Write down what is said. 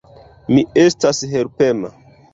Mi estas helpema.